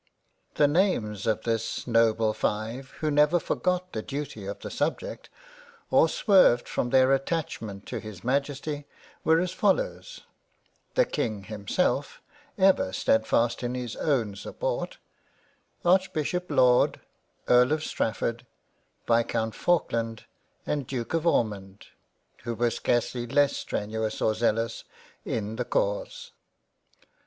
The 95 £ JANE AUSTEN jf names of this noble five who never forgot the duty of the sub ject, or swerved from their attachment to his Majesty, were as follows — The King himself, ever stedfast in his own sup port — Archbishop Laud, Earl of Strafford, Viscount Faulk land and Duke of Ormond, who were scarcely less strenuous or zealous in the cause.